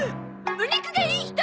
お肉がいい人！